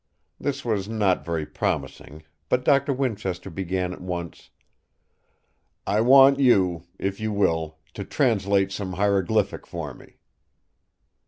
This was not very promising; but Doctor Winchester began at once: "I want you, if you will, to translate some hieroglyphic for me."